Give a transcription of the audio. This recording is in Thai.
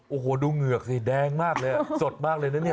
โอ้โหดูเหงือกสิแดงมากเลยสดมากเลยนะเนี่ย